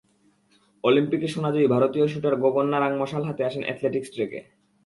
অলিম্পিকে সোনাজয়ী ভারতীয় শুটার গগন নারাং মশাল হাতে আসেন অ্যাথলেটিকস ট্র্যাকে।